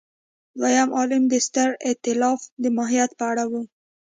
دویم عامل د ستر اېتلاف د ماهیت په اړه و.